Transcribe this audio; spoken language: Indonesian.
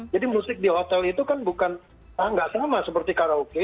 jadi musik di hotel itu kan bukan nggak sama seperti karaoke